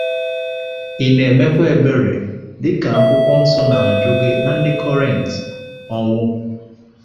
ị na-emekwa ebere? Dịka Akwụkwọ Nsọ na-ajụ gị na Ndị Korịnt: “Ọnwụ